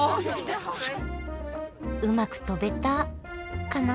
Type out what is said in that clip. うまく飛べたカナ？